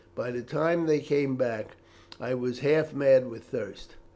By the time they came back again I was half mad with thirst.